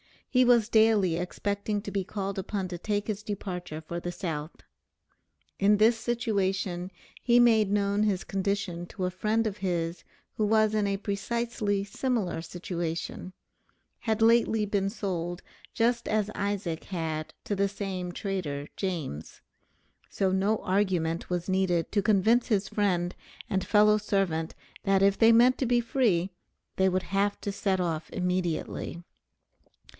He was daily expecting to be called upon to take his departure for the South. In this situation he made known his condition to a friend of his who was in a precisely similar situation; had lately been sold just as Isaac had to the same trader James. So no argument was needed to convince his friend and fellow servant that if they meant to be free they would have to set off immediately.